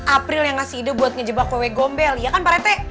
april yang ngasih ide buat ngejebak kue gombel iya kan pak rete